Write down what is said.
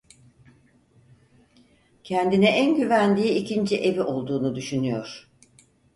Kendine en güvendiği ikinci evi olduğunu düşünüyor.